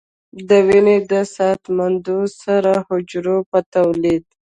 د وینې د صحتمندو سرو حجرو په تولید